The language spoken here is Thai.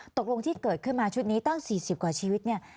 ตกลงที่เกิดขึ้นมาชุดนี้ตั้ง๔๐กว่าชีวิตเนี่ย